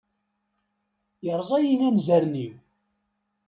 Yerẓa-iyi anzaren-iw!